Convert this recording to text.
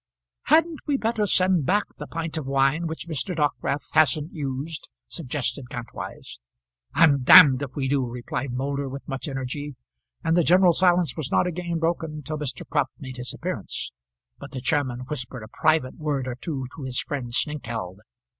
"Hadn't we better send back the pint of wine which Mr. Dockwrath hasn't used?" suggested Kantwise. "I'm d if we do!" replied Moulder, with much energy; and the general silence was not again broken till Mr. Crump made his appearance; but the chairman whispered a private word or two to his friend Snengkeld.